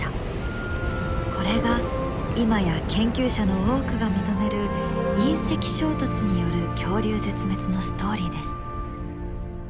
これが今や研究者の多くが認める隕石衝突による恐竜絶滅のストーリーです。